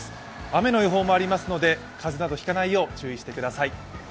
雨の予報もありますので、風邪など引かないよう、注意してください。